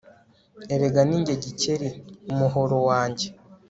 Erega ni jye Gikeli Umuhoro wanjye